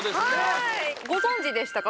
ご存じでしたか？